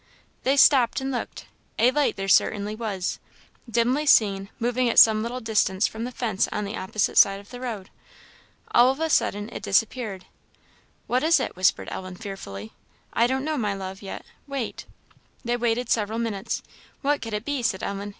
They stopped and looked. A light there certainly was, dimly seen, moving at some little distance from the fence on the opposite side of the road. All of a sudden it disappeared. "What is it?" whispered Ellen, fearfully. "I don't know, my love, yet; wait" They waited several minutes. "What could it be?" said Ellen.